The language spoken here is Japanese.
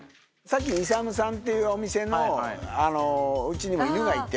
イサムさんっていうお店の家にも犬がいて。